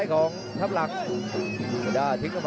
ส่วนหน้านั้นอยู่ที่เลด้านะครับ